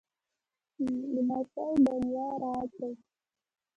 لمسی د نیا راز دی.